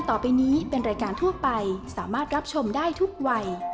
ทอทอเทิงเทิงเรียกล่าว